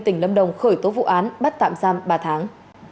tỉnh lâm đồng khởi tố vụ án bắt tạm giam ba tháng